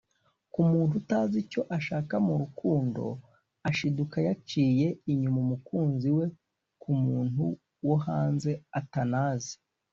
ku muntu utazi icyo ashaka mu rukundo ashiduka yaciye inyuma umukunzi we ku muntu wo hanze atanazi